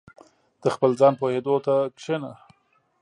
• د خپل ځان پوهېدو ته کښېنه.